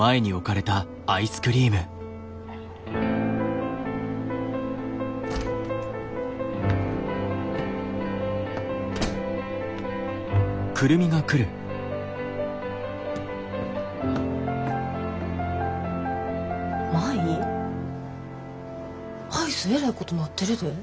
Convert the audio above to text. アイスえらいことなってるで。